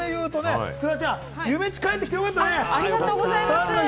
福田ちゃん、ゆめっち帰ってきてよかったね！